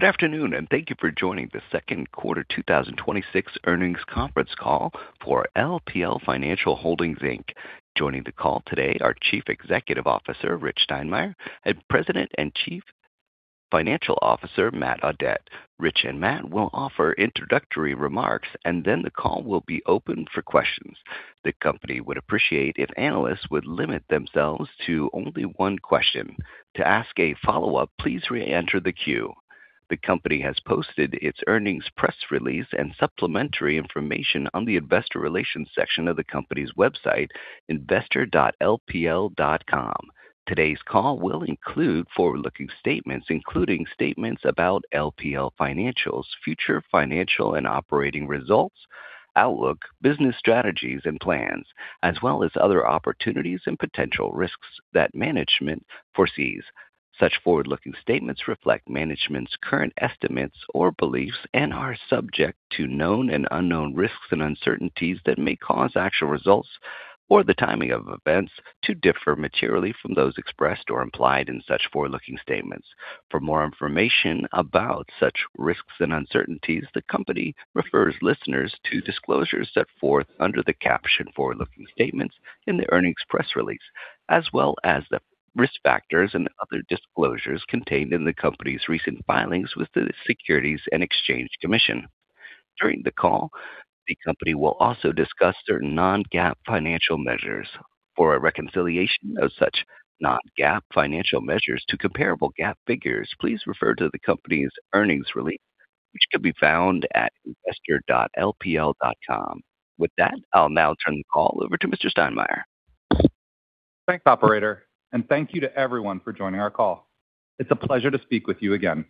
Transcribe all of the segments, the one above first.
Good afternoon, thank you for joining the second quarter 2026 earnings conference call for LPL Financial Holdings Inc. Joining the call today are Chief Executive Officer Rich Steinmeier and President and Chief Financial Officer Matt Audette. Rich and Matt will offer introductory remarks, and then the call will be open for questions. The company would appreciate if analysts would limit themselves to only one question. To ask a follow-up, please reenter the queue. The company has posted its earnings press release and supplementary information on the investor relations section of the company's website, investor.lpl.com. Today's call will include forward-looking statements, including statements about LPL Financial's future financial and operating results, outlook, business strategies, and plans, as well as other opportunities and potential risks that management foresees. Such forward-looking statements reflect management's current estimates or beliefs and are subject to known and unknown risks and uncertainties that may cause actual results or the timing of events to differ materially from those expressed or implied in such forward-looking statements. For more information about such risks and uncertainties, the company refers listeners to disclosures set forth under the caption Forward-Looking Statements in the earnings press release, as well as the risk factors and other disclosures contained in the company's recent filings with the Securities and Exchange Commission. During the call, the company will also discuss certain non-GAAP financial measures. For a reconciliation of such non-GAAP financial measures to comparable GAAP figures, please refer to the company's earnings release, which can be found at investor.lpl.com. With that, I'll now turn the call over to Mr. Steinmeier. Thanks, operator. Thank you to everyone for joining our call. It's a pleasure to speak with you again.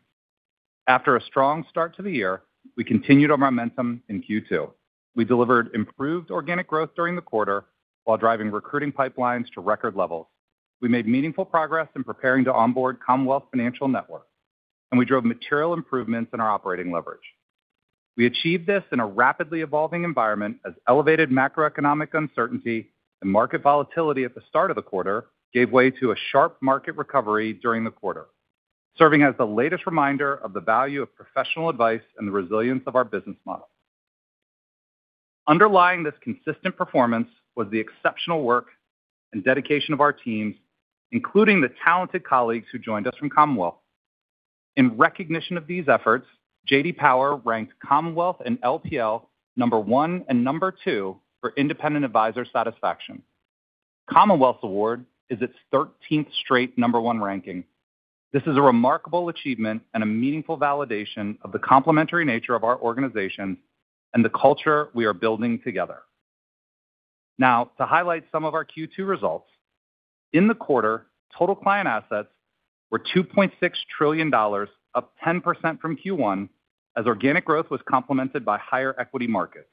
After a strong start to the year, we continued our momentum in Q2. We delivered improved organic growth during the quarter while driving recruiting pipelines to record levels. We made meaningful progress in preparing to onboard Commonwealth Financial Network, and we drove material improvements in our operating leverage. We achieved this in a rapidly evolving environment as elevated macroeconomic uncertainty and market volatility at the start of the quarter gave way to a sharp market recovery during the quarter. Serving as the latest reminder of the value of professional advice and the resilience of our business model. Underlying this consistent performance was the exceptional work and dedication of our teams, including the talented colleagues who joined us from Commonwealth. In recognition of these efforts, JD Power ranked Commonwealth and LPL number one and number two for independent advisor satisfaction. Commonwealth's award is its 13th straight number one ranking. This is a remarkable achievement and a meaningful validation of the complementary nature of our organization and the culture we are building together. Now to highlight some of our Q2 results. In the quarter, total client assets were $2.6 trillion, up 10% from Q1 as organic growth was complemented by higher equity markets.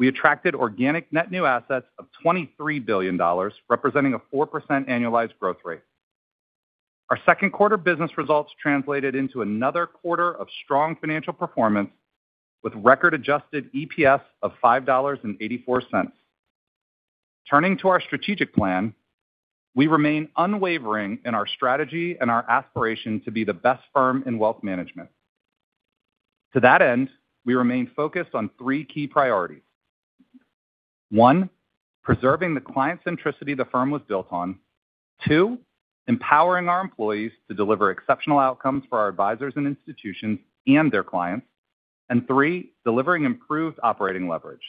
We attracted organic net new assets of $23 billion, representing a 4% annualized growth rate. Our second quarter business results translated into another quarter of strong financial performance with record adjusted EPS of $5.84. Turning to our strategic plan, we remain unwavering in our strategy and our aspiration to be the best firm in wealth management. To that end, we remain focused on three key priorities. One, preserving the client centricity the firm was built on. Two, empowering our employees to deliver exceptional outcomes for our advisors and institutions and their clients. Three, delivering improved operating leverage.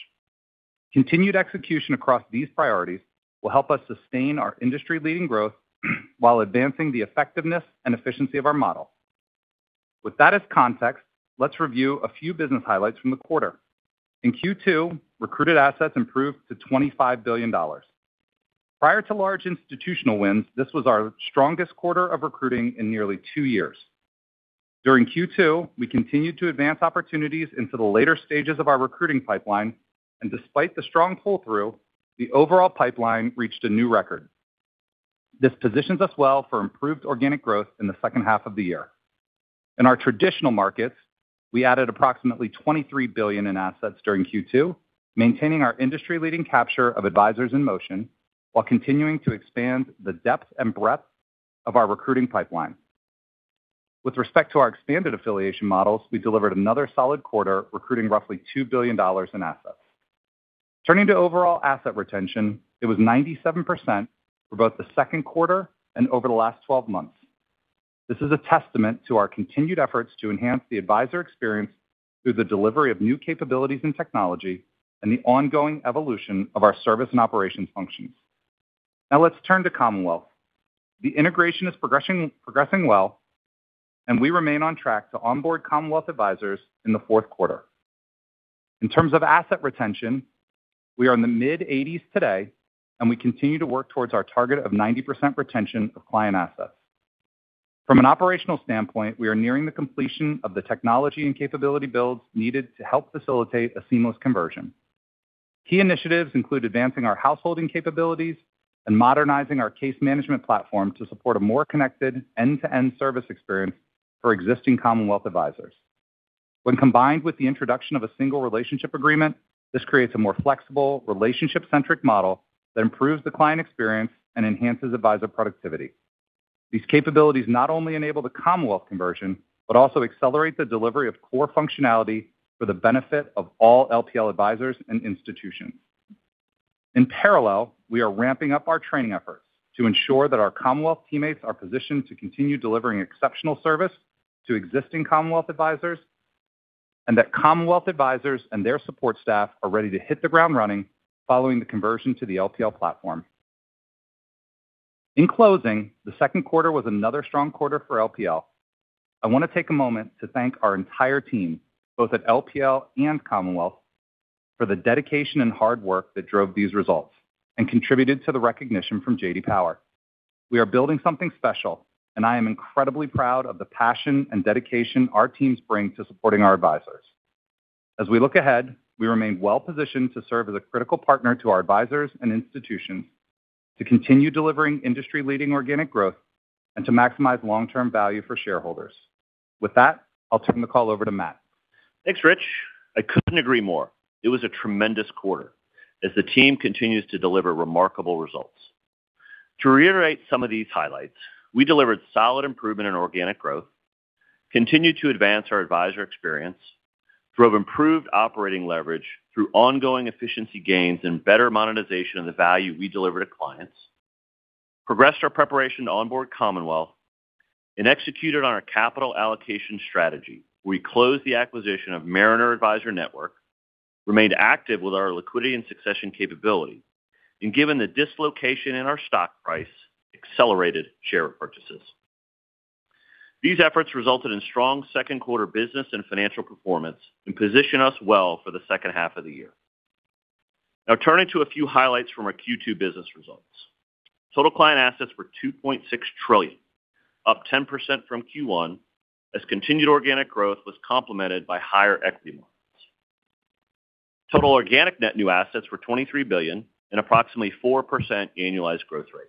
Continued execution across these priorities will help us sustain our industry-leading growth while advancing the effectiveness and efficiency of our model. With that as context, let's review a few business highlights from the quarter. In Q2, recruited assets improved to $25 billion. Prior to large institutional wins, this was our strongest quarter of recruiting in nearly two years. During Q2, we continued to advance opportunities into the later stages of our recruiting pipeline, and despite the strong pull-through, the overall pipeline reached a new record. This positions us well for improved organic growth in the second half of the year. In our traditional markets, we added approximately $23 billion in assets during Q2, maintaining our industry-leading capture of advisors in motion while continuing to expand the depth and breadth of our recruiting pipeline. With respect to our expanded affiliation models, we delivered another solid quarter, recruiting roughly $2 billion in assets. Turning to overall asset retention, it was 97% for both the second quarter and over the last 12 months. This is a testament to our continued efforts to enhance the advisor experience through the delivery of new capabilities and technology and the ongoing evolution of our service and operations functions. Now let's turn to Commonwealth. The integration is progressing well, and we remain on track to onboard Commonwealth advisors in the fourth quarter. In terms of asset retention, we are in the mid-80s today, and we continue to work towards our target of 90% retention of client assets. From an operational standpoint, we are nearing the completion of the technology and capability builds needed to help facilitate a seamless conversion. Key initiatives include advancing our household and capabilities and modernizing our case management platform to support a more connected end-to-end service experience for existing Commonwealth advisors. When combined with the introduction of a single relationship agreement, this creates a more flexible relationship-centric model that improves the client experience and enhances advisor productivity. These capabilities not only enable the Commonwealth conversion, but also accelerate the delivery of core functionality for the benefit of all LPL Advisors and institutions. In parallel, we are ramping up our training efforts to ensure that our Commonwealth teammates are positioned to continue delivering exceptional service to existing Commonwealth advisors, and that Commonwealth advisors and their support staff are ready to hit the ground running following the conversion to the LPL platform. In closing, the second quarter was another strong quarter for LPL. I want to take a moment to thank our entire team, both at LPL and Commonwealth, for the dedication and hard work that drove these results and contributed to the recognition from JD Power. We are building something special, and I am incredibly proud of the passion and dedication our teams bring to supporting our advisors. As we look ahead, we remain well-positioned to serve as a critical partner to our advisors and institutions, to continue delivering industry-leading organic growth, and to maximize long-term value for shareholders. With that, I'll turn the call over to Matt. Thanks, Rich. I couldn't agree more. It was a tremendous quarter as the team continues to deliver remarkable results. To reiterate some of these highlights, we delivered solid improvement in organic growth, continued to advance our advisor experience, drove improved operating leverage through ongoing efficiency gains and better monetization of the value we deliver to clients, progressed our preparation to onboard Commonwealth, and executed on our capital allocation strategy. We closed the acquisition of Mariner Advisor Network, remained active with our liquidity and succession capability, and given the dislocation in our stock price, accelerated share purchases. These efforts resulted in strong second quarter business and financial performance and position us well for the second half of the year. Now turning to a few highlights from our Q2 business results. Total client assets were $2.6 trillion, up 10% from Q1, as continued organic growth was complemented by higher equity markets. Total organic net new assets is $23 billion and approximately 4% annualized growth rate.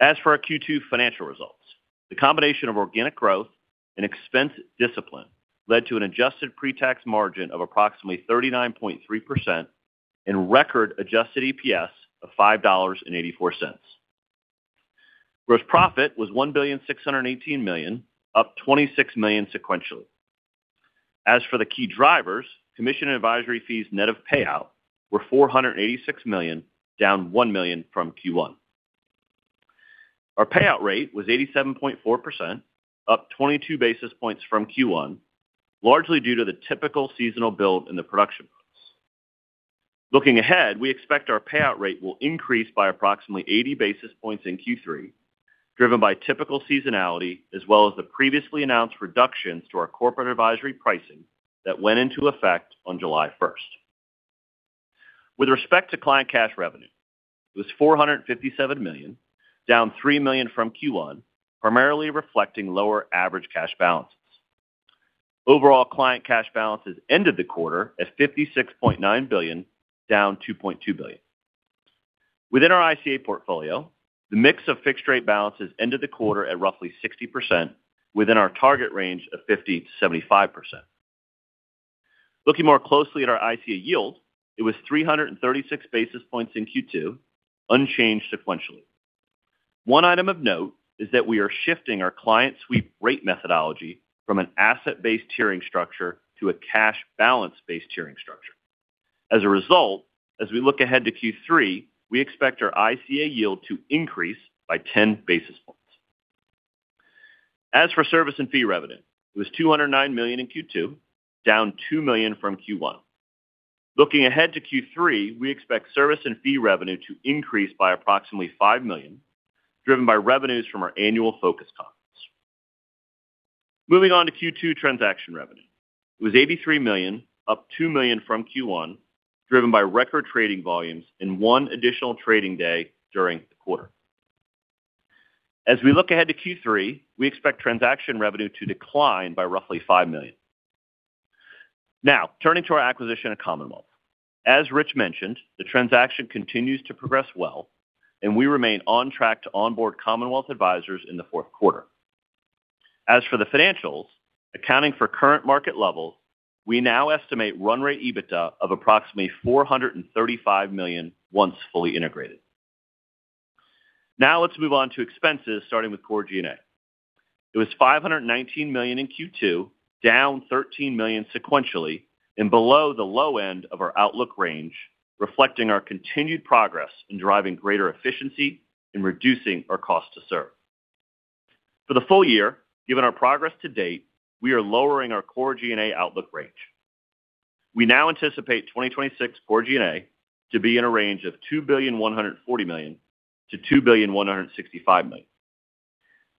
As for our Q2 financial results, the combination of organic growth and expense discipline led to an adjusted pre-tax margin of approximately 39.3% and record adjusted EPS of $5.84. Gross profit was $1.618 billion, up $26 million sequentially. As for the key drivers, commission advisory fees net of payout were $486 million, down $1 million from Q1. Our payout rate was 87.4%, up 22 basis points from Q1, largely due to the typical seasonal build in the production months. Looking ahead, we expect our payout rate will increase by approximately 80 basis points in Q3, driven by typical seasonality as well as the previously announced reductions to our corporate advisory pricing that went into effect on July 1st. With respect to client cash revenue, it was $457 million, down $3 million from Q1, primarily reflecting lower average cash balances. Overall client cash balances ended the quarter at $56.9 billion, down $2.2 billion. Within our ICA portfolio, the mix of fixed rate balances ended the quarter at roughly 60%, within our target range of 50%-75%. Looking more closely at our ICA yield, it was 336 basis points in Q2, unchanged sequentially. One item of note is that we are shifting our client sweep rate methodology from an asset-based tiering structure to a cash balance-based tiering structure. As a result, as we look ahead to Q3, we expect our ICA yield to increase by 10 basis points. As for service and fee revenue, it was $209 million in Q2, down $2 million from Q1. Looking ahead to Q3, we expect service and fee revenue to increase by approximately $5 million, driven by revenues from our annual Focus conference. Moving on to Q2 transaction revenue. It was $83 million, up $2 million from Q1, driven by record trading volumes and one additional trading day during the quarter. As we look ahead to Q3, we expect transaction revenue to decline by roughly $5 million. Turning to our acquisition of Commonwealth. As Rich mentioned, the transaction continues to progress well, and we remain on track to onboard Commonwealth advisors in the fourth quarter. As for the financials, accounting for current market levels, we now estimate run rate EBITDA of approximately $435 million once fully integrated. Now let's move on to expenses, starting with Core G&A. It was $519 million in Q2, down $13 million sequentially, below the low end of our outlook range, reflecting our continued progress in driving greater efficiency and reducing our cost to serve. For the full year, given our progress to date, we are lowering our Core G&A outlook range. We now anticipate 2026 Core G&A to be in a range of $2.140 billion-$2.165 billion.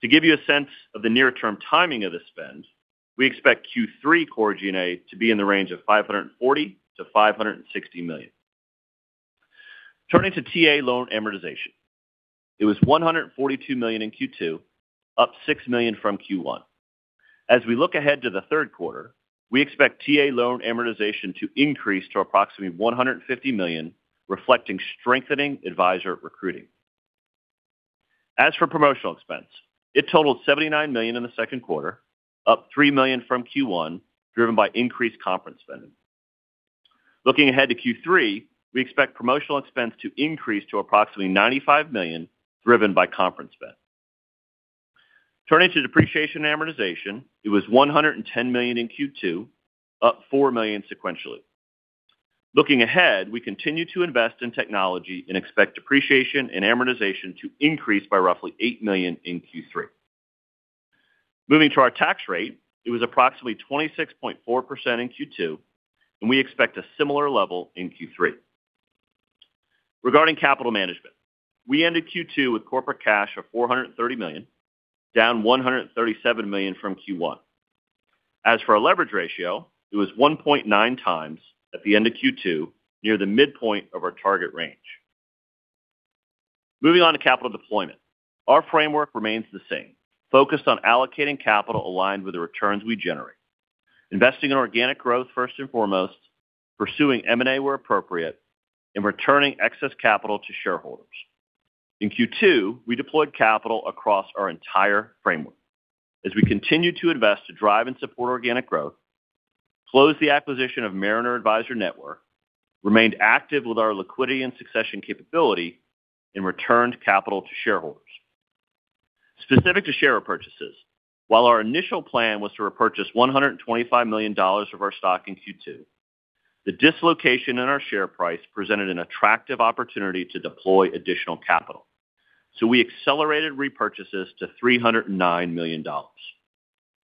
To give you a sense of the near-term timing of the spend, we expect Q3 Core G&A to be in the range of $540 million-$560 million. Turning to TA loan amortization. It was $142 million in Q2, up $6 million from Q1. As we look ahead to the third quarter, we expect TA loan amortization to increase to approximately $150 million, reflecting strengthening advisor recruiting. For promotional expense, it totaled $79 million in the second quarter, up $3 million from Q1, driven by increased conference spending. Looking ahead to Q3, we expect promotional expense to increase to approximately $95 million, driven by conference spend. Turning to depreciation amortization, it was $110 million in Q2, up $4 million sequentially. Looking ahead, we continue to invest in technology and expect depreciation and amortization to increase by roughly $8 million in Q3. Moving to our tax rate, it was approximately 26.4% in Q2, we expect a similar level in Q3. Regarding capital management, we ended Q2 with corporate cash of $430 million, down $137 million from Q1. For our leverage ratio, it was 1.9x at the end of Q2, near the midpoint of our target range. Moving on to capital deployment. Our framework remains the same, focused on allocating capital aligned with the returns we generate. Investing in organic growth first and foremost, pursuing M&A where appropriate, returning excess capital to shareholders. In Q2, we deployed capital across our entire framework as we continue to invest to drive and support organic growth, close the acquisition of Mariner Advisor Network, remained active with our liquidity and succession capability, returned capital to shareholders. Specific to share repurchases, while our initial plan was to repurchase $125 million of our stock in Q2, the dislocation in our share price presented an attractive opportunity to deploy additional capital, we accelerated repurchases to $309 million.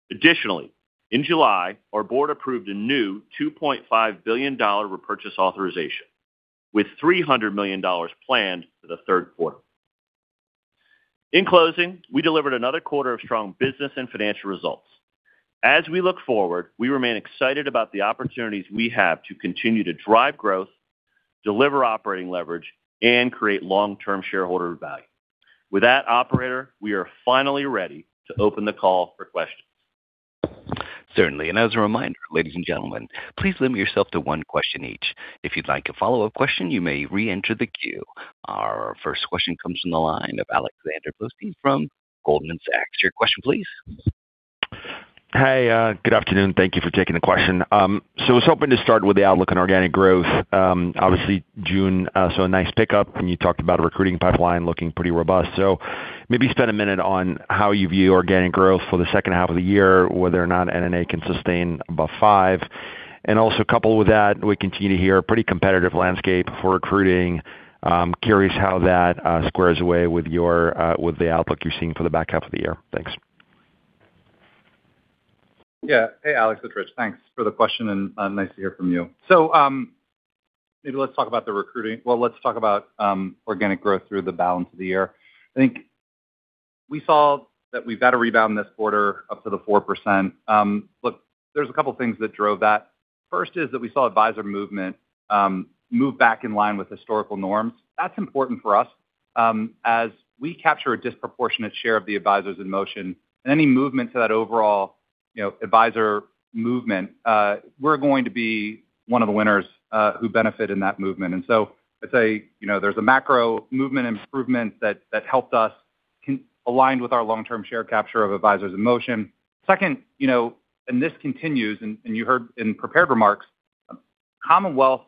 Additionally, in July, our Board approved a new $2.5 billion repurchase authorization with $300 million planned for the third quarter. In closing, we delivered another quarter of strong business and financial results. We look forward, we remain excited about the opportunities we have to continue to drive growth, deliver operating leverage, create long-term shareholder value. With that, operator, we are finally ready to open the call for questions. Certainly. As a reminder, ladies and gentlemen, please limit yourself to one question each. If you'd like a follow-up question, you may reenter the queue. Our first question comes from the line of Alex Blostein from Goldman Sachs. Your question please. Hey, good afternoon. Thank you for taking the question. I was hoping to start with the outlook on organic growth. Obviously June saw a nice pickup. You talked about a recruiting pipeline looking pretty robust. Maybe spend a minute on how you view organic growth for the second half of the year, whether or not NNA can sustain above 5%? Coupled with that, we continue to hear pretty competitive landscape for recruiting. Curious how that squares away with the outlook you're seeing for the back half of the year? Thanks. Yeah. Hey, Alex, it's Rich. Thanks for the question and nice to hear from you. Maybe let's talk about the recruiting. Well, let's talk about organic growth through the balance of the year. I think we saw that we've got a rebound this quarter up to the 4%. Look, there's a couple things that drove that. First is that we saw advisor movement move back in line with historical norms. That's important for us. As we capture a disproportionate share of the advisors in motion. Any movement to that overall advisor movement, we're going to be one of the winners who benefit in that movement. I'd say, there's a macro movement improvement that helped us aligned with our long-term share capture of advisors in motion. Second. This continues. You heard in prepared remarks, Commonwealth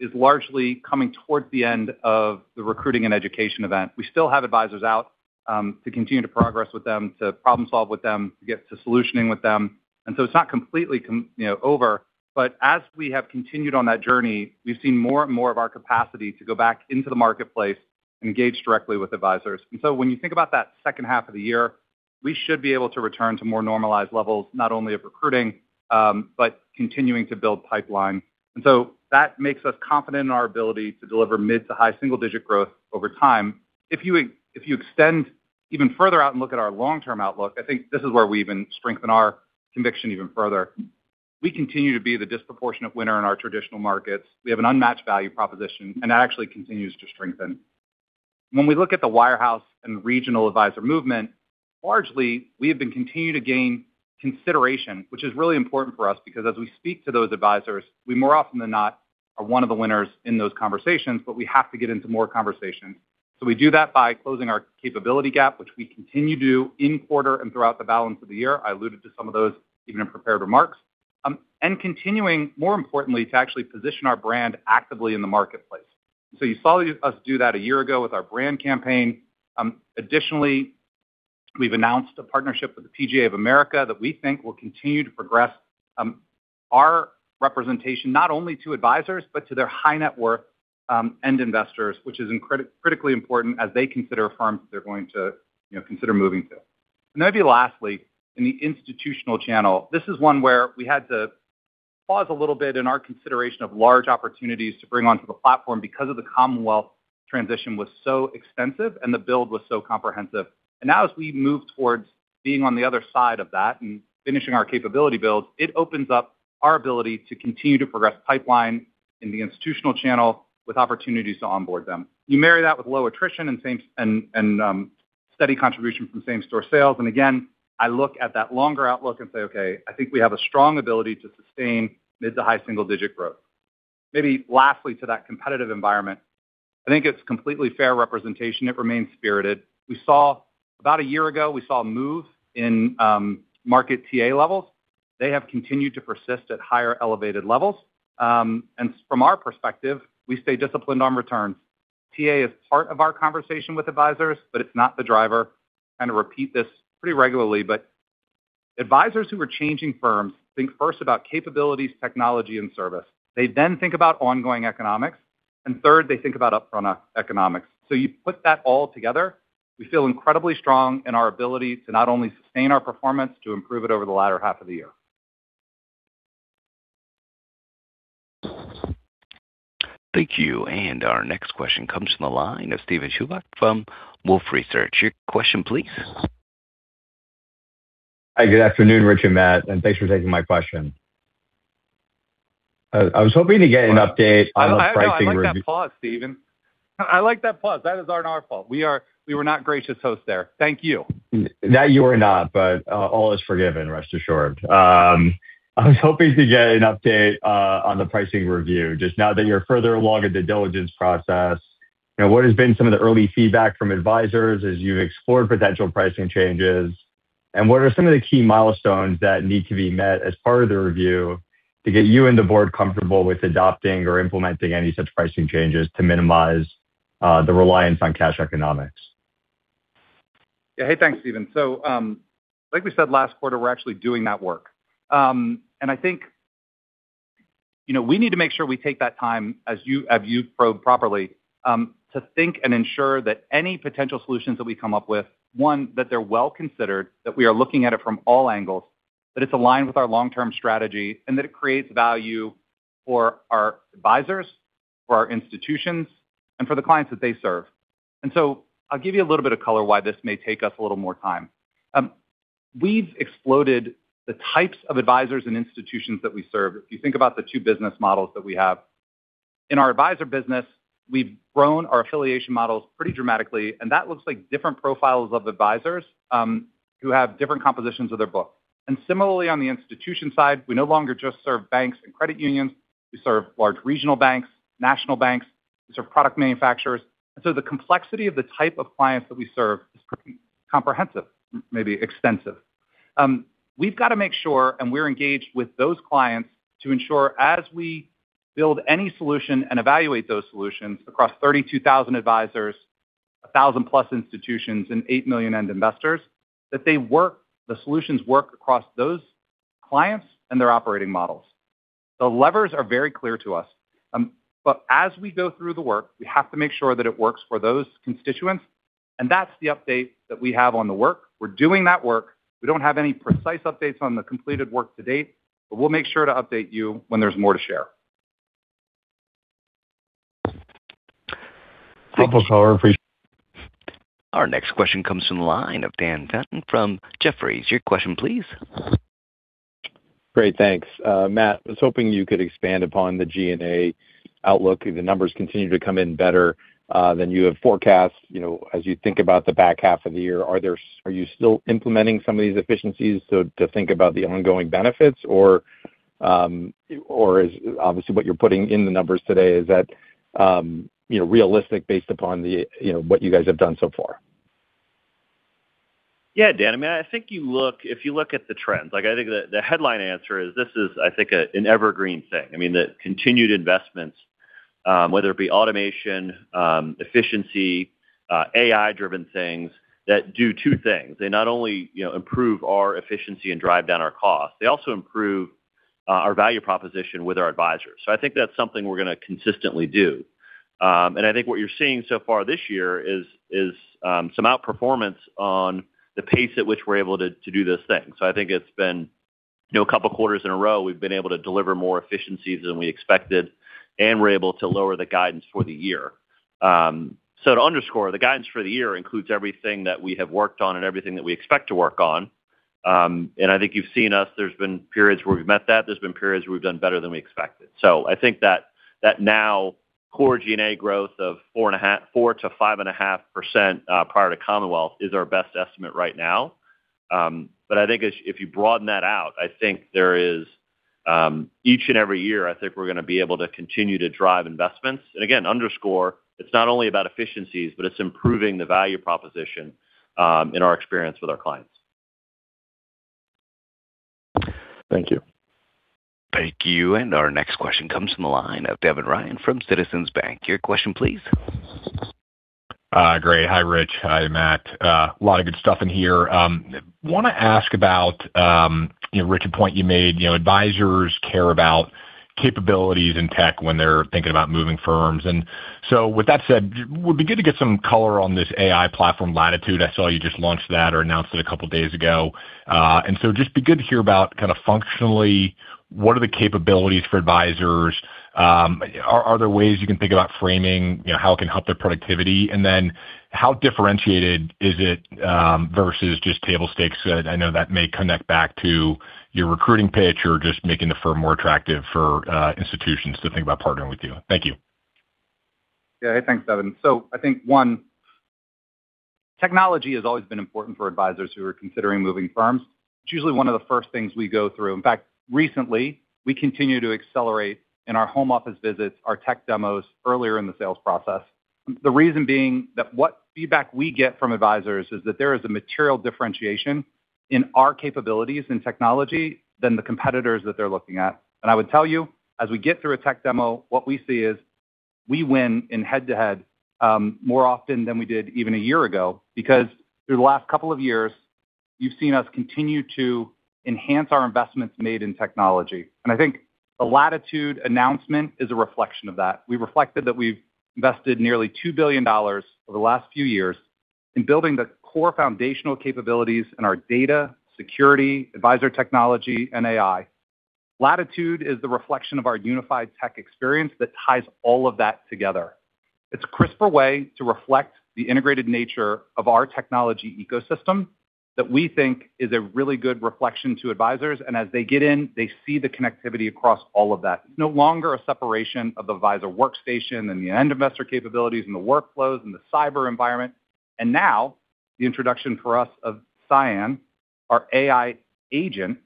is largely coming towards the end of the recruiting and education event. We still have advisors out to continue to progress with them, to problem solve with them, to get to solutioning with them. It's not completely over. As we have continued on that journey, we've seen more and more of our capacity to go back into the marketplace and engage directly with advisors. When you think about that second half of the year, we should be able to return to more normalized levels, not only of recruiting, but continuing to build pipeline. That makes us confident in our ability to deliver mid- to high-single-digit growth over time. If you extend even further out and look at our long-term outlook, I think this is where we even strengthen our conviction even further. We continue to be the disproportionate winner in our traditional markets. We have an unmatched value proposition, and that actually continues to strengthen. When we look at the wirehouse and regional advisor movement, largely, we have been continuing to gain consideration, which is really important for us because as we speak to those advisors, we more often than not are one of the winners in those conversations, but we have to get into more conversations. We do that by closing our capability gap, which we continue to do in quarter and throughout the balance of the year. I alluded to some of those even in prepared remarks. Continuing, more importantly, to actually position our brand actively in the marketplace. You saw us do that a year ago with our brand campaign. Additionally, we've announced a partnership with the PGA of America that we think will continue to progress our representation, not only to advisors, but to their high net worth end investors, which is critically important as they consider firms they're going to consider moving to. Maybe lastly, in the institutional channel, this is one where we had to pause a little bit in our consideration of large opportunities to bring onto the platform because of the Commonwealth transition was so extensive and the build was so comprehensive. Now as we move towards being on the other side of that and finishing our capability build, it opens up our ability to continue to progress pipeline in the institutional channel with opportunities to onboard them. You marry that with low attrition and steady contribution from same store sales. Again, I look at that longer outlook and say, okay, I think we have a strong ability to sustain mid- to high-single-digit growth. Maybe lastly to that competitive environment. I think it's completely fair representation. It remains spirited. About a year ago, we saw a move in market TA levels. They have continued to persist at higher elevated levels. From our perspective, we stay disciplined on returns. TA is part of our conversation with advisors, but it's not the driver. Repeat this pretty regularly, but advisors who are changing firms think first about capabilities, technology, and service. They then think about ongoing economics, and third, they think about upfront economics. You put that all together, we feel incredibly strong in our ability to not only sustain our performance, to improve it over the latter half of the year. Thank you. Our next question comes from the line of Steven Chubak from Wolfe Research. Your question, please. Hi, good afternoon, Rich and Matt, and thanks for taking my question. I was hoping to get an update on the pricing review- I know. I like that pause, Steven. I like that pause. That is our fault. We were not gracious hosts there. Thank you. No, you were not, but all is forgiven. Rest assured. I was hoping to get an update on the pricing review, just now that you're further along the due diligence process. What has been some of the early feedback from advisors as you've explored potential pricing changes, and what are some of the key milestones that need to be met as part of the review to get you and the Board comfortable with adopting or implementing any such pricing changes to minimize the reliance on cash economics? Yeah. Hey, thanks, Steven. Like we said last quarter, we're actually doing that work. I think we need to make sure we take that time, as you've probed properly, to think and ensure that any potential solutions that we come up with: one, that they're well-considered, that we are looking at it from all angles, that it's aligned with our long-term strategy, and that it creates value for our advisors, for our institutions, and for the clients that they serve. I'll give you a little bit of color why this may take us a little more time. We've exploded the types of advisors and institutions that we serve. If you think about the two business models that we have. In our advisor business, we've grown our affiliation models pretty dramatically, and that looks like different profiles of advisors who have different compositions of their book. Similarly, on the institution side, we no longer just serve banks and credit unions. We serve large regional banks, national banks. We serve product manufacturers. The complexity of the type of clients that we serve is pretty comprehensive, maybe extensive. We've got to make sure, and we're engaged with those clients to ensure as we build any solution and evaluate those solutions across 32,000 advisors, 1,000+ institutions and 8 million end investors, that the solutions work across those clients and their operating models. The levers are very clear to us. As we go through the work, we have to make sure that it works for those constituents, and that's the update that we have on the work. We're doing that work. We don't have any precise updates on the completed work to date, but we'll make sure to update you when there's more to share. Thank you. Appreciate it. Our next question comes from the line of Dan Fannon from Jefferies. Your question, please. Great. Thanks. Matt, I was hoping you could expand upon the G&A outlook. The numbers continue to come in better than you have forecast. As you think about the back half of the year, are you still implementing some of these efficiencies to think about the ongoing benefits? Obviously, what you're putting in the numbers today, is that realistic based upon what you guys have done so far? Yeah, Dan. I think if you look at the trends, I think the headline answer is this is, I think, an evergreen thing. The continued investments, whether it be automation, efficiency, AI-driven things that do two things. They not only improve our efficiency and drive down our costs, they also improve our value proposition with our advisors. I think that's something we're going to consistently do. I think what you're seeing so far this year is some outperformance on the pace at which we're able to do those things. I think it's been a couple of quarters in a row, we've been able to deliver more efficiencies than we expected, and we're able to lower the guidance for the year. To underscore, the guidance for the year includes everything that we have worked on and everything that we expect to work on. I think you've seen us, there's been periods where we've met that, there's been periods where we've done better than we expected. I think that now core G&A growth of 4%-5.5% prior to Commonwealth is our best estimate right now. I think if you broaden that out, each and every year, I think we're going to be able to continue to drive investments. Again, underscore, it's not only about efficiencies, but it's improving the value proposition in our experience with our clients. Thank you. Thank you. Our next question comes from the line of Devin Ryan from Citizens. Your question, please. Great. Hi, Rich. Hi, Matt. A lot of good stuff in here. Want to ask about, Rich, a point you made. Advisors care about capabilities in tech when they're thinking about moving firms. So with that said, would be good to get some color on this AI platform Latitude. I saw you just launched that or announced it a couple of days ago. So just be good to hear about kind of functionally, what are the capabilities for advisors? Are there ways you can think about framing how it can help their productivity? How differentiated is it versus just table stakes? I know that may connect back to your recruiting pitch or just making the firm more attractive for institutions to think about partnering with you. Thank you. Yeah. Hey, thanks, Devin. I think one, technology has always been important for advisors who are considering moving firms. It's usually one of the first things we go through. In fact, recently, we continue to accelerate in our home office visits, our tech demos earlier in the sales process. The reason being that what feedback we get from advisors is that there is a material differentiation in our capabilities in technology than the competitors that they're looking at. I would tell you, as we get through a tech demo, what we see is we win in head-to-head more often than we did even a year ago, because through the last couple of years, you've seen us continue to enhance our investments made in technology. I think the Latitude announcement is a reflection of that. We reflected that we've invested nearly $2 billion over the last few years in building the core foundational capabilities in our data, security, advisor technology, and AI. Latitude is the reflection of our unified tech experience that ties all of that together. It's a crisper way to reflect the integrated nature of our technology ecosystem that we think is a really good reflection to advisors. As they get in, they see the connectivity across all of that. It's no longer a separation of the advisor workstation and the end investor capabilities and the workflows and the cyber environment. Now, the introduction for us of Cyan, our AI agent.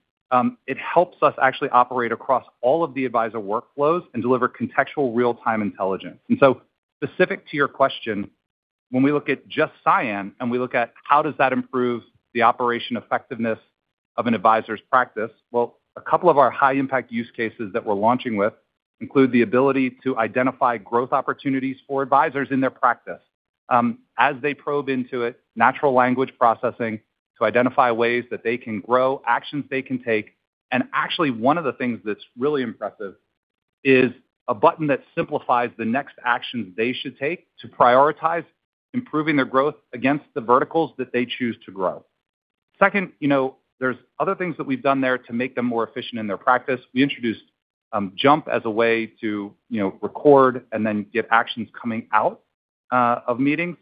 It helps us actually operate across all of the advisor workflows and deliver contextual real-time intelligence. Specific to your question, when we look at just Cyan, we look at how does that improve the operation effectiveness of an advisor's practice. Well, a couple of our high impact use cases that we're launching with include the ability to identify growth opportunities for advisors in their practice. As they probe into it, natural language processing to identify ways that they can grow, actions they can take. Actually, one of the things that's really impressive is a button that simplifies the next action they should take to prioritize improving their growth against the verticals that they choose to grow. Second, there's other things that we've done there to make them more efficient in their practice. We introduced Jump as a way to record and then get actions coming out of meetings.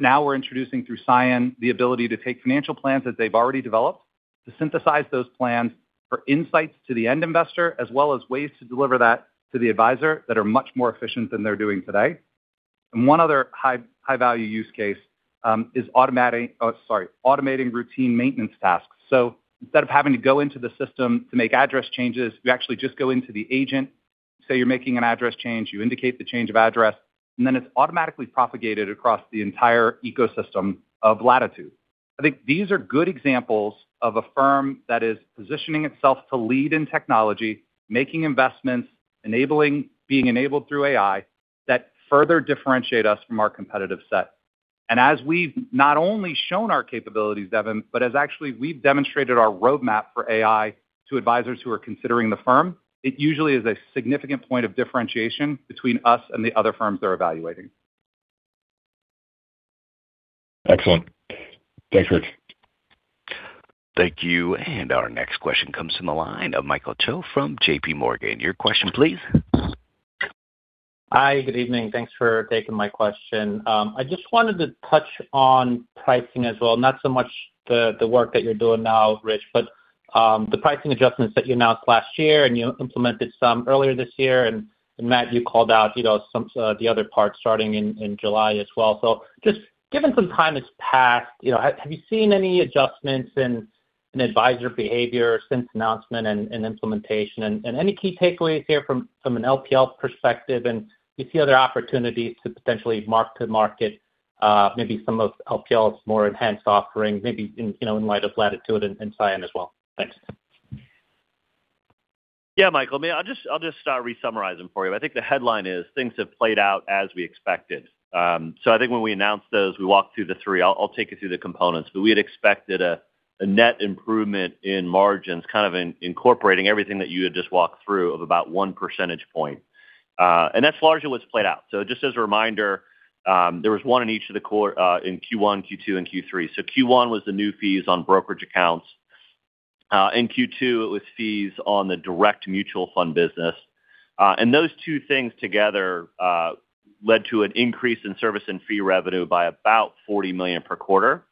Now we're introducing through Cyan, the ability to take financial plans that they've already developed to synthesize those plans for insights to the end investor, as well as ways to deliver that to the advisor that are much more efficient than they're doing today. One other high-value use case is automating routine maintenance tasks. Instead of having to go into the system to make address changes, you actually just go into the agent, say you're making an address change, you indicate the change of address, and then it's automatically propagated across the entire ecosystem of Latitude. I think these are good examples of a firm that is positioning itself to lead in technology, making investments, being enabled through AI that further differentiate us from our competitive set. As we've not only shown our capabilities, Devin, but as actually we've demonstrated our roadmap for AI to advisors who are considering the firm. It usually is a significant point of differentiation between us and the other firms they're evaluating. Excellent. Thanks, Rich. Thank you. Our next question comes from the line of Michael Cho from JPMorgan. Your question, please. Hi, good evening. Thanks for taking my question. I just wanted to touch on pricing as well, not so much the work that you're doing now, Rich, but the pricing adjustments that you announced last year. You implemented some earlier this year. Matt, you called out the other parts starting in July as well. Just given some time has passed, have you seen any adjustments in advisor behavior since announcement and implementation? Any key takeaways here from an LPL perspective, and you see other opportunities to potentially mark-to-market maybe some of LPL's more enhanced offerings, maybe in light of Latitude and Cyan as well? Thanks. Yeah, Michael. I'll just re-summarize them for you. I think the headline is things have played out as we expected. I think when we announced those, we walked through the three. I'll take you through the components. We had expected a net improvement in margins, kind of incorporating everything that you had just walked through, of about 1 percentage point. That's largely what's played out. Just as a reminder, there was one in each of the core in Q1, Q2, and Q3. Q1 was the new fees on brokerage accounts. In Q2, it was fees on the direct mutual fund business. Those two things together led to an increase in service and fee revenue by about $40 million per quarter.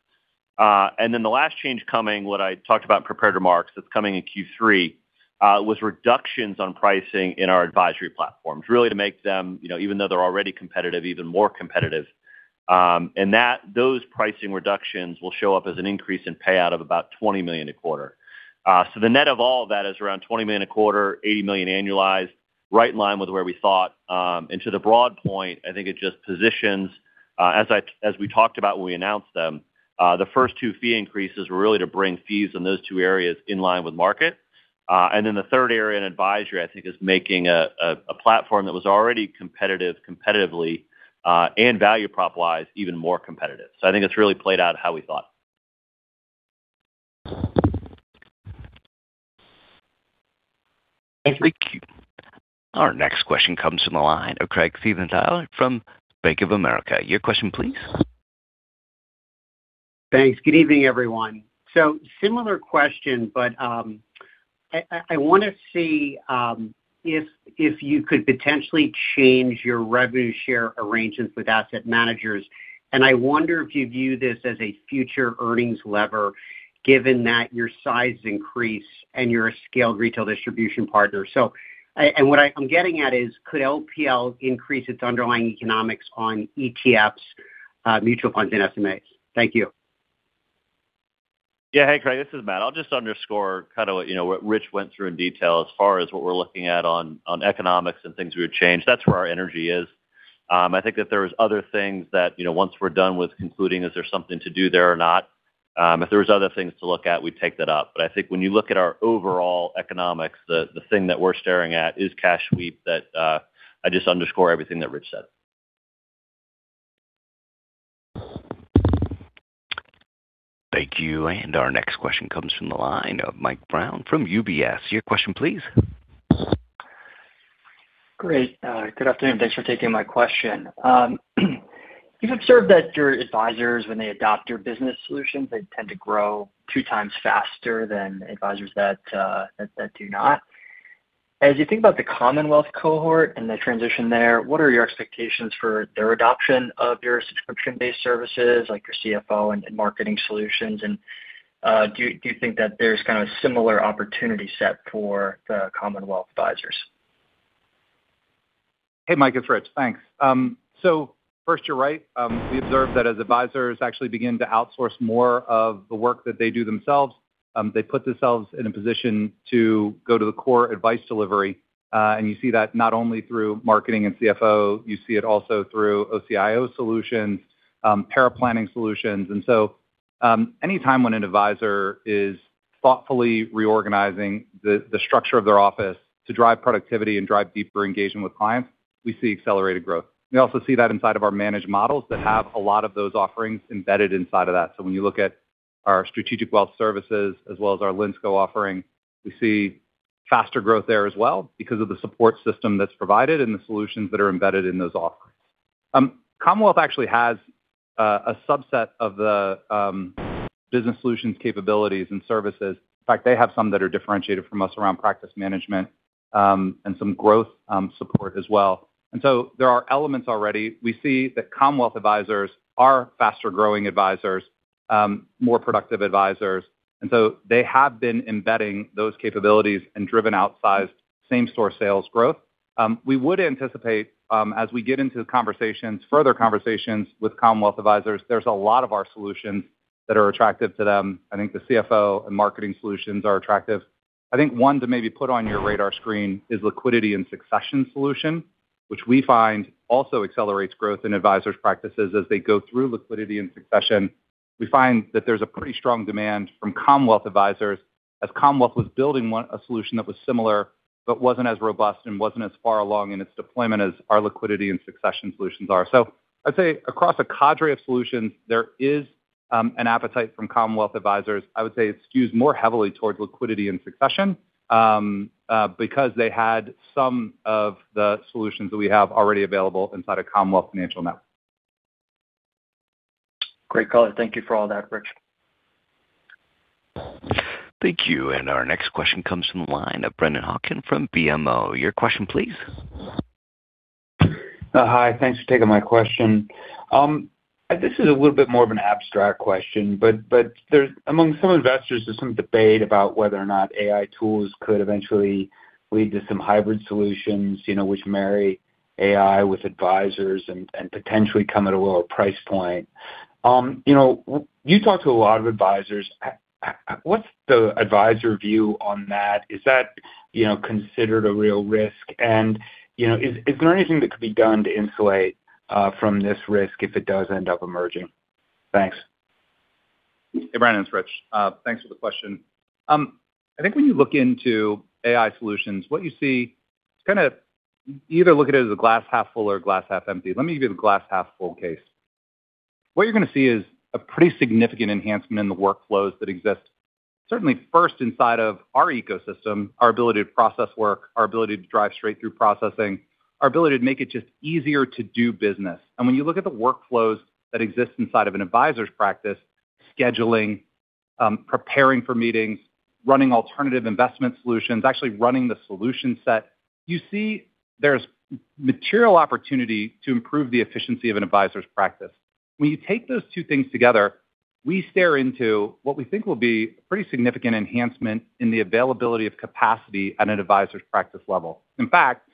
The last change coming, what I talked about in prepared remarks, that is coming in Q3, was reductions on pricing in our advisory platforms. Really to make them, even though they are already competitive, even more competitive. Those pricing reductions will show up as an increase in payout of about $20 million a quarter. The net of all of that is around $20 million a quarter, $80 million annualized, right in line with where we thought. To the broad point, I think it just positions. In fact, as we talked about when we announced them, the first two fee increases were really to bring fees in those two areas in line with market. The third area in advisory, I think, is making a platform that was already competitive competitively, and value prop-wise, even more competitive. I think it is really played out how we thought. Thank you. Our next question comes from the line of Craig Siegenthaler from Bank of America. Your question, please. Thanks. Good evening, everyone. Similar question, but I want to see if you could potentially change your revenue share arrangements with asset managers, and I wonder if you view this as a future earnings lever given that your size increase and your a scaled retail-distribution partner? What I am getting at is could LPL increase its underlying economics on ETFs, mutual funds, and SMAs? Thank you. Hey, Craig, this is Matt. I'll just underscore what Rich went through in detail as far as what we're looking at on economics and things we would change. That's where our energy is. I think that there is other things that, once we're done with concluding is there something to do there or not, if there was other things to look at, we'd take that up. I think when you look at our overall economics, the thing that we're staring at is cash sweep that I just underscore everything that Rich said. Thank you. Our next question comes from the line of Mike Brown from UBS. Your question please. Great. Good afternoon. Thanks for taking my question. You've observed that your advisors, when they adopt your business solutions, they tend to grow two times faster than advisors that do not. As you think about the Commonwealth cohort and the transition there, what are your expectations for their adoption of your subscription-based services like your CFO and marketing solutions, and do you think that there's kind of a similar opportunity set for the Commonwealth advisors? Hey, Mike. It's Rich. Thanks. First, you're right. We observed that as advisors actually begin to outsource more of the work that they do themselves, they put themselves in a position to go to the core advice delivery. You see that not only through marketing and CFO, you see it also through OCIO solutions, paraplanning solutions. Anytime when an advisor is thoughtfully reorganizing the structure of their office to drive productivity and drive deeper engagement with clients, we see accelerated growth. We also see that inside of our managed models that have a lot of those offerings embedded inside of that. When you look at our Strategic Wealth Services as well as our Linsco offering, we see faster growth there as well because of the support system that's provided and the solutions that are embedded in those offerings. Commonwealth actually has a subset of the business solutions capabilities and services. In fact, they have some that are differentiated from us around practice management, and some growth support as well. There are elements already. We see that Commonwealth advisors are faster-growing advisors, more productive advisors, and so they have been embedding those capabilities and driven outsized same-store sales growth. We would anticipate as we get into further conversations with Commonwealth advisors, there's a lot of our solutions that are attractive to them. I think the CFO and marketing solutions are attractive. I think one to maybe put on your radar screen is liquidity and succession solution, which we find also accelerates growth in advisors' practices as they go through liquidity and succession. We find that there's a pretty strong demand from Commonwealth advisors as Commonwealth was building a solution that was similar but wasn't as robust and wasn't as far along in its deployment as our liquidity and succession solutions are. I'd say across a cadre of solutions, there is an appetite from Commonwealth advisors. I would say it skews more heavily towards liquidity and succession because they had some of the solutions that we have already available inside of Commonwealth Financial Network. Great call. Thank you for all that, Rich. Thank you. Our next question comes from the line of Brennan Hawken from BMO. Your question, please. Hi. Thanks for taking my question. This is a little bit more of an abstract question. Among some investors, there's some debate about whether or not AI tools could eventually lead to some hybrid solutions which marry AI with advisors and potentially come at a lower price point. You talk to a lot of advisors. What's the advisor view on that? Is that considered a real risk? Is there anything that could be done to insulate from this risk if it does end up emerging? Thanks. Hey, Brennan. It's Rich. Thanks for the question. I think when you look into AI solutions, what you see, it's kind of either look at it as a glass half full or glass half empty. Let me give you the glass half full case. What you're going to see is a pretty significant enhancement in the workflows that exist. Certainly first inside of our ecosystem, our ability to process work, our ability to drive straight through processing, our ability to make it just easier to do business. When you look at the workflows that exist inside of an advisor's practice, scheduling, preparing for meetings, running alternative investment solutions, actually running the solution set. You see there's material opportunity to improve the efficiency of an advisor's practice. When you take those two things together, we stare into what we think will be a pretty significant enhancement in the availability of capacity at an advisor's practice level. In fact,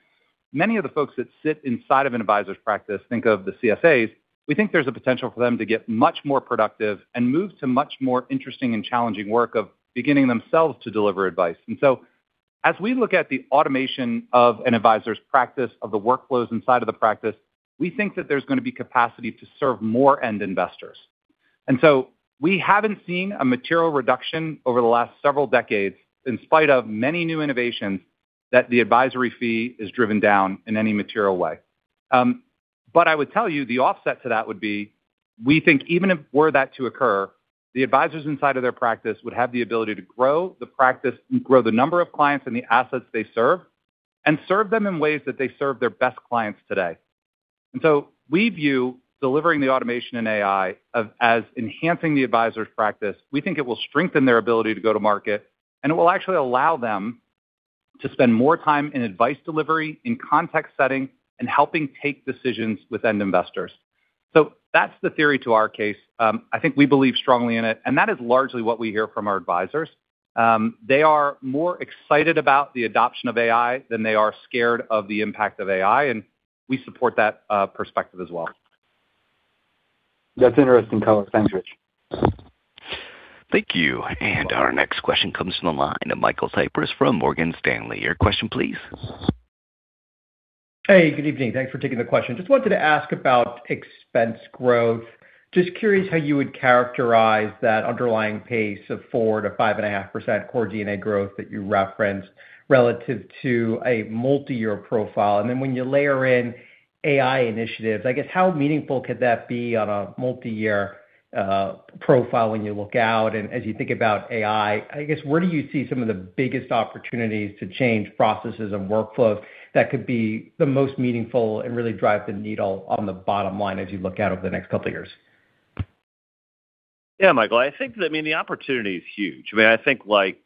many of the folks that sit inside of an advisor's practice think of the CSA. We think there's a potential for them to get much more productive and move to much more interesting and challenging work of beginning themselves to deliver advice. As we look at the automation of an advisor's practice, of the workflows inside of the practice, we think that there's going to be capacity to serve more end investors. We haven't seen a material reduction over the last several decades in spite of many new innovations that the advisory fee is driven down in any material way. I would tell you the offset to that would be, we think even if were that to occur, the advisors inside of their practice would have the ability to grow the practice and grow the number of clients and the assets they serve, and serve them in ways that they serve their best clients today. We view delivering the automation in AI as enhancing the advisor's practice. We think it will strengthen their ability to go to market. It will actually allow them to spend more time in advice delivery, in context setting, and helping take decisions with end investors. That's the theory to our case. I think we believe strongly in it, and that is largely what we hear from our advisors. They are more excited about the adoption of AI than they are scared of the impact of AI, and we support that perspective as well. That's interesting color. Thanks, Rich. Thank you. Our next question comes from the line of Michael Cyprys from Morgan Stanley. Your question, please. Hey, good evening. Thanks for taking the question. Just wanted to ask about expense growth. Curious how you would characterize that underlying pace of 4%-5.5% Core G&A growth that you referenced relative to a multi-year profile. Then when you layer in AI initiatives, I guess how meaningful could that be on a multi-year profile when you look out? As you think about AI, I guess where do you see some of the biggest opportunities to change processes and workflows that could be the most meaningful and really drive the needle on the bottom line as you look out over the next couple of years? Yeah, Michael. I think the opportunity is huge. I think like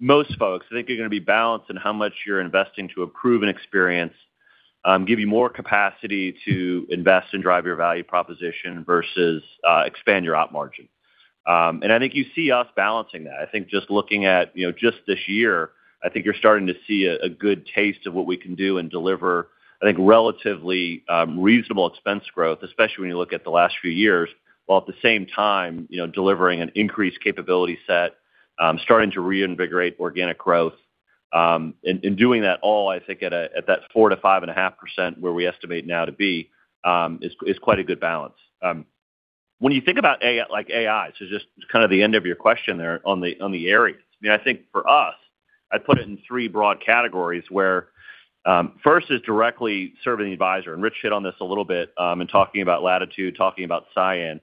most folks, I think you're going to be balanced in how much you're investing to improve an experience, give you more capacity to invest and drive your value proposition versus expand your op margin. I think you see us balancing that. I think just looking at just this year, I think you're starting to see a good taste of what we can do and deliver, I think, relatively reasonable expense growth. Especially when you look at the last few years, while at the same time, delivering an increased capability set, starting to reinvigorate organic growth. Doing that all, I think, at that 4%-5.5% where we estimate now to be, is quite a good balance. When you think about AI, just kind of the end of your question there on the areas. I think for us, I'd put it in three broad categories where first is directly serving the advisor, Rich hit on this a little bit in talking about Latitude, talking about Cyan.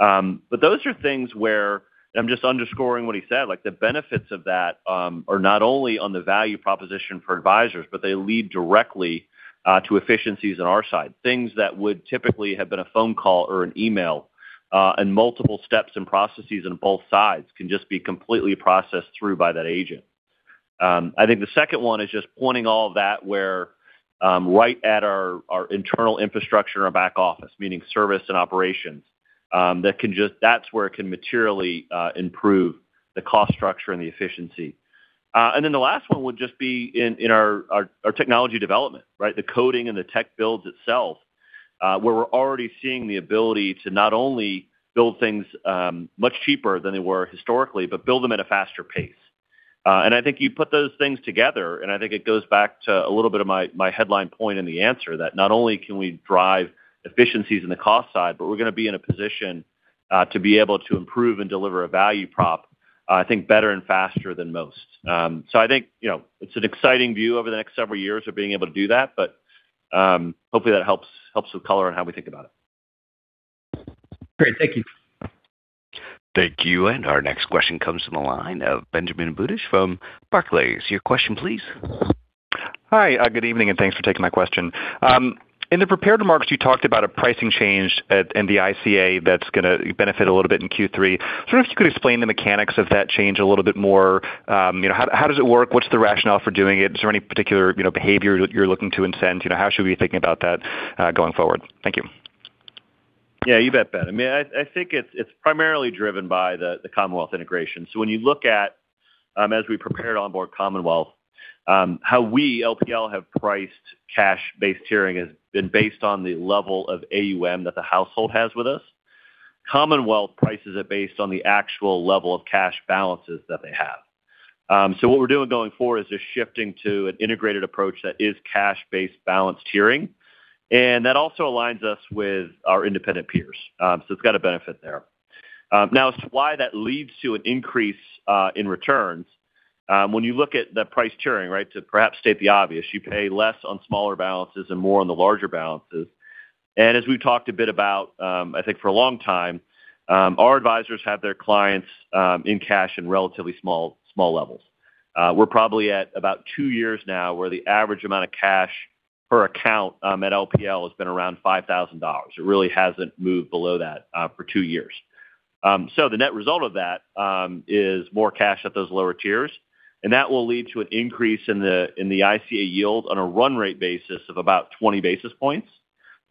Those are things where I'm just underscoring what he said, the benefits of that are not only on the value proposition for advisors, but they lead directly to efficiencies on our side. Things that would typically have been a phone call or an email, and multiple steps and processes on both sides can just be completely processed through by that agent. I think the second one is just pointing all of that where right at our internal infrastructure in our back office, meaning service and operations. That's where it can materially improve the cost structure and the efficiency. Then the last one would just be in our technology development, right? The coding and the tech builds itself, where we're already seeing the ability to not only build things much cheaper than they were historically, but build them at a faster pace. I think you put those things together, and I think it goes back to a little bit of my headline point in the answer that not only can we drive efficiencies in the cost side, but we're going to be in a position to be able to improve and deliver a value prop, I think, better and faster than most. I think it's an exciting view over the next several years of being able to do that. Hopefully that helps with color on how we think about it. Great. Thank you. Thank you. Our next question comes from the line of Benjamin Budish from Barclays. Your question, please. Hi. Good evening, thanks for taking my question. In the prepared remarks, you talked about a pricing change in the ICA that's going to benefit a little bit in Q3. I wonder if you could explain the mechanics of that change a little bit more? How does it work? What's the rationale for doing it? Is there any particular behavior you're looking to incent? How should we be thinking about that going forward? Thank you. Yeah, you bet, Ben. I think it's primarily driven by the Commonwealth integration. When you look at, as we prepared to onboard Commonwealth, how we, LPL, have priced cash-based tiering has been based on the level of AUM that the household has with us. Commonwealth prices it based on the actual level of cash balances that they have. What we're doing going forward is just shifting to an integrated approach that is cash-based balanced tiering, that also aligns us with our independent peers. It's got a benefit there. Now, as to why that leads to an increase in returns. When you look at the price tiering, right, to perhaps state the obvious, you pay less on smaller balances and more on the larger balances. As we've talked a bit about, I think for a long time, our advisors have their clients in cash in relatively small levels. We're probably at about two years now where the average amount of cash per account at LPL has been around $5,000. It really hasn't moved below that for two years. The net result of that is more cash at those lower tiers, that will lead to an increase in the ICA yield on a run rate basis of about 20 basis points.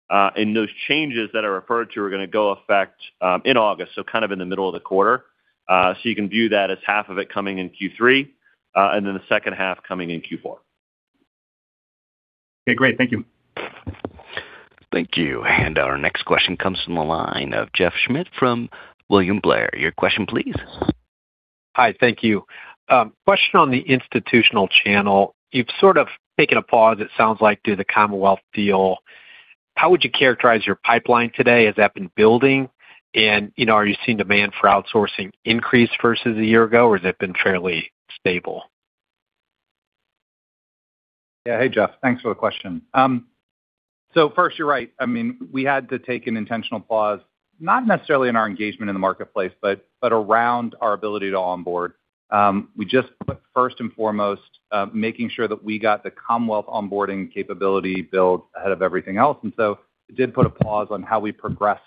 Those changes that are referred to are going to go effect in August, kind of in the middle of the quarter. You can view that as half of it coming in Q3, then the second half coming in Q4. Okay, great. Thank you. Thank you. Our next question comes from the line of Jeff Schmitt from William Blair. Your question, please. Hi. Thank you. Question on the institutional channel. You've sort of taken a pause, it sounds like, through the Commonwealth deal. How would you characterize your pipeline today? Has that been building? Are you seeing demand for outsourcing increase versus a year ago, or has it been fairly stable? Yeah. Hey, Jeff. Thanks for the question. First, you're right. We had to take an intentional pause, not necessarily in our engagement in the marketplace, but around our ability to onboard. We just put first and foremost making sure that we got the Commonwealth onboarding capability built ahead of everything else. It did put a pause on how we progressed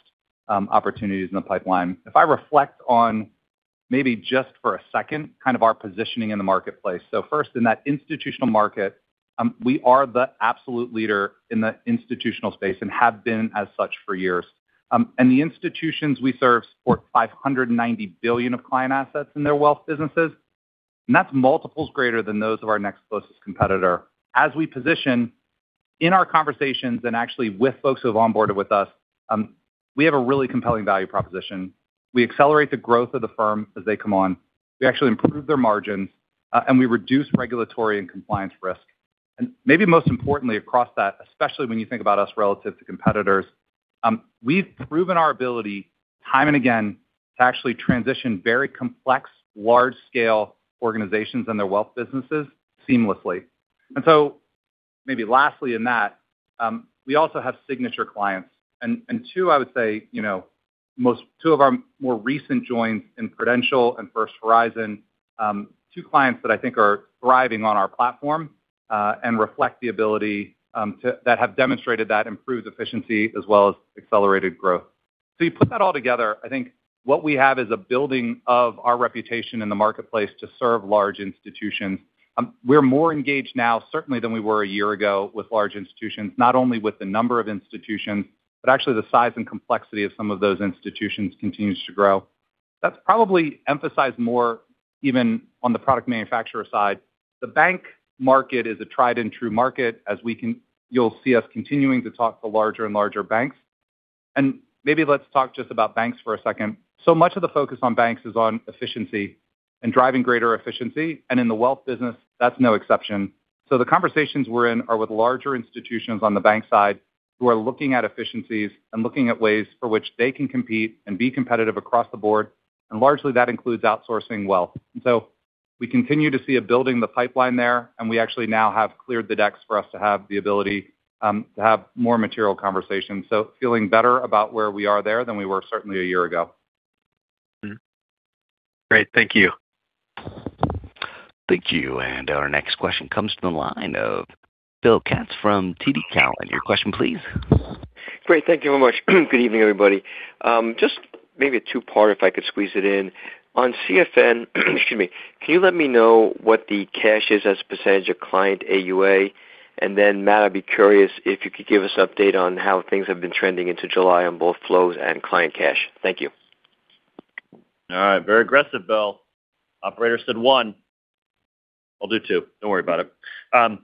opportunities in the pipeline. If I reflect on maybe just for a second, kind of our positioning in the marketplace. First, in that institutional market, we are the absolute leader in the institutional space and have been as such for years. The institutions we serve support $590 billion of client assets in their wealth businesses, and that's multiples greater than those of our next closest competitor. As we position in our conversations and actually with folks who have onboarded with us, we have a really compelling value proposition. We accelerate the growth of the firm as they come on. We actually improve their margins, and we reduce regulatory and compliance risk. Maybe most importantly across that, especially when you think about us relative to competitors, we've proven our ability time and again to actually transition very complex, large-scale organizations and their wealth businesses seamlessly. Maybe lastly in that, we also have signature clients. Two, I would say, two of our more recent joins in Prudential and First Horizon, two clients that I think are thriving on our platform, and reflect the ability that have demonstrated that improved efficiency as well as accelerated growth. You put that all together, I think what we have is a building of our reputation in the marketplace to serve large institutions. We're more engaged now, certainly, than we were a year ago with large institutions. Not only with the number of institutions, but actually the size and complexity of some of those institutions continues to grow. That's probably emphasized more even on the product manufacturer side. The bank market is a tried and true market as you'll see us continuing to talk to larger and larger banks. Maybe let's talk just about banks for a second. Much of the focus on banks is on efficiency and driving greater efficiency. In the wealth business, that's no exception. The conversations we're in are with larger institutions on the bank side who are looking at efficiencies and looking at ways for which they can compete and be competitive across the board. Largely that includes outsourcing wealth. We continue to see a building the pipeline there, and we actually now have cleared the decks for us to have the ability to have more material conversations. Feeling better about where we are there than we were certainly a year ago. Great. Thank you. Thank you. Our next question comes from the line of Bill Katz from TD Cowen. Your question please. Great. Thank you very much. Good evening, everybody. Maybe a two-parter, if I could squeeze it in. On CFN, excuse me, can you let me know what the cash is as a percentage of client AUA? Then Matt, I'd be curious if you could give us update on how things have been trending into July on both flows and client cash? Thank you. All right. Very aggressive, Bill. Operator said one. I'll do two. Don't worry about it. On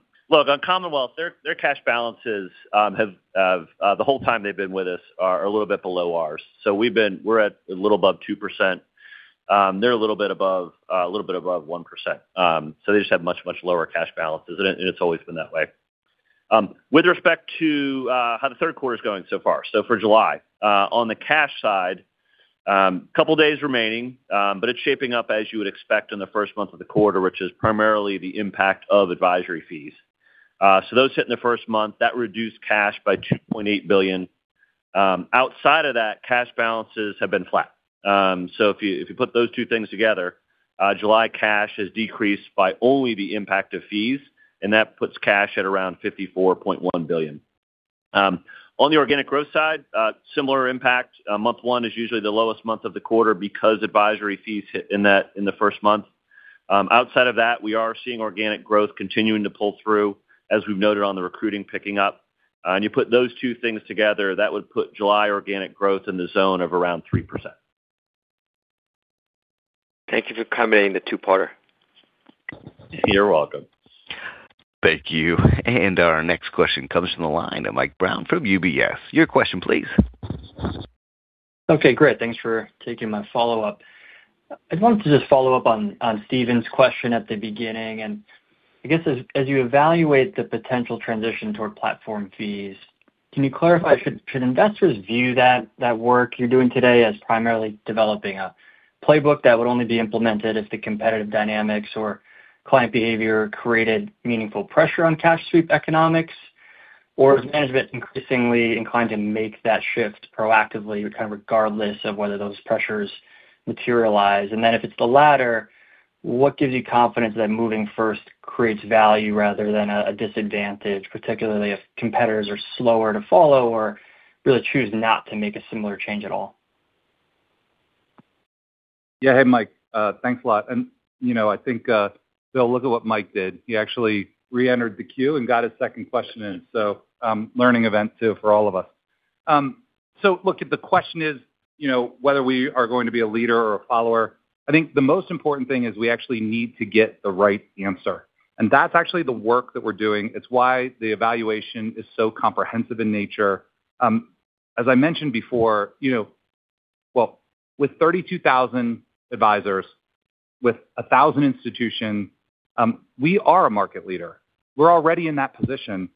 Commonwealth, their cash balances the whole time they've been with us are a little bit below ours. We're at a little above 2%. They're a little bit above 1%. They just have much, much lower cash balances, and it's always been that way. With respect to how the third quarter's going so far, so for July. On the cash side, couple days remaining, but it's shaping up as you would expect in the first month of the quarter, which is primarily the impact of advisory fees. Those hit in the first month. That reduced cash by $2.8 billion. Outside of that, cash balances have been flat. If you put those two things together, July cash has decreased by only the impact of fees, and that puts cash at around $54.1 billion. On the organic growth side, similar impact. Month one is usually the lowest month of the quarter because advisory fees hit in the first month. Outside of that, we are seeing organic growth continuing to pull through, as we've noted on the recruiting picking up. You put those two things together, that would put July organic growth in the zone of around 3%. Thank you for accommodating the two-parter. You're welcome. Thank you. Our next question comes from the line of Mike Brown from UBS. Your question please. Okay, great. Thanks for taking my follow-up. I wanted to just follow up on Steven's question at the beginning. I guess as you evaluate the potential transition toward platform fees, can you clarify, should investors view that work you're doing today as primarily developing a playbook that would only be implemented if the competitive dynamics or client behavior created meaningful pressure on cash sweep economics? Or is management increasingly inclined to make that shift proactively, kind of regardless of whether those pressures materialize? If it's the latter, what gives you confidence that moving first creates value rather than a disadvantage, particularly if competitors are slower to follow or really choose not to make a similar change at all? Yeah. Hey, Mike. Thanks a lot. I think Bill, look at what Mike did. He actually reentered the queue and got his second question in. Learning event too for all of us. Look, if the question is whether we are going to be a leader or a follower, I think the most important thing is we actually need to get the right answer. That's actually the work that we're doing. It's why the evaluation is so comprehensive in nature. As I mentioned before, with 32,000 advisors, with 1,000 institutions, we are a market leader. We're already in that position,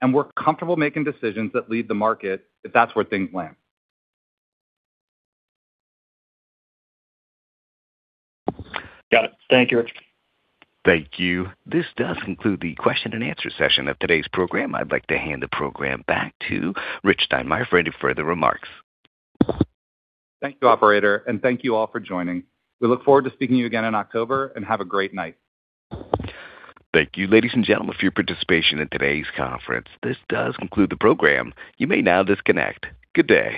and we're comfortable making decisions that lead the market if that's where things land. Got it. Thank you, Rich. Thank you. This does conclude the question-and-answer session of today's program. I'd like to hand the program back to Rich Steinmeier for any further remarks. Thank you, operator, and thank you all for joining. We look forward to speaking to you again in October. Have a great night. Thank you, ladies and gentlemen, for your participation in today's conference. This does conclude the program. You may now disconnect. Good day.